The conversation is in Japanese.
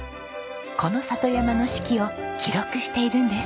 この里山の四季を記録しているんです。